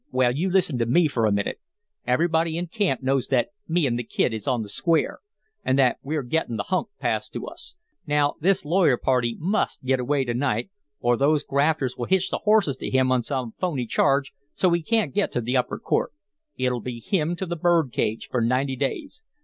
"Well, you listen to me for a minute. Everybody in camp knows that me an' the kid is on the square an' that we're gettin' the hunk passed to us. Now, this lawyer party must get away to night or these grafters will hitch the horses to him on some phony charge so he can't get to the upper court. It 'll be him to the bird cage for ninety days.